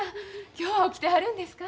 今日は起きてはるんですか？